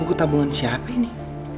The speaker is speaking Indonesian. buku tabungan siapa ini